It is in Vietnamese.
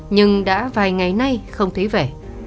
nhưng đã vài ngày nay không thấy về